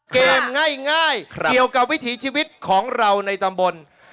ง่ายเกี่ยวกับวิถีชีวิตของเราในตำบล